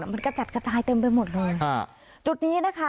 มันก็แตจกระจายเต็มไปหมดเลย